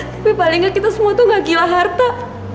tapi paling nggak kita semua tuh gak gila harta